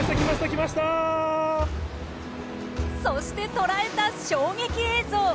そして捉えた衝撃映像。